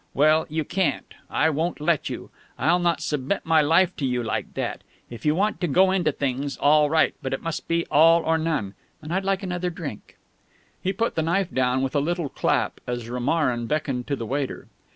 Well, you can't. I won't let you. I'll not submit my life to you like that. If you want to go into things, all right; but it must be all or none. And I'd like another drink." He put the knife down with a little clap as Romarin beckoned to the waiter.